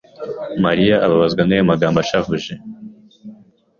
Mariya ababazwa n'ayo magambo ashavuje